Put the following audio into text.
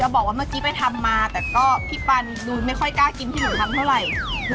บอกว่าเมื่อกี้ไปทำมาแต่ก็พี่ปันดูไม่ค่อยกล้ากินที่หนูทำเท่าไหร่